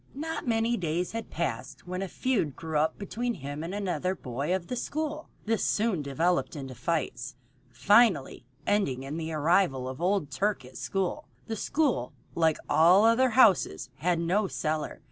Not many days had passed when a feud grew up between him and another boy of the school. This soon developed into fights, finally ending in the arrival of old Turk at the school. The school, like all other houses, had no cellar.